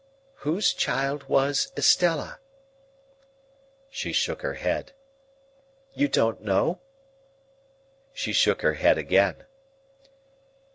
"Whose child was Estella?" She shook her head. "You don't know?" She shook her head again.